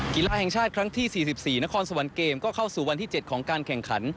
กีฬาแห่งชาติครั้งที่สี่สิบสี่นครสมันเกมก็เข้าสู่วันที่เจ็ดของการแข่งขัน